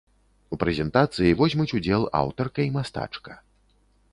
У прэзентацыі возьмуць удзел аўтарка і мастачка.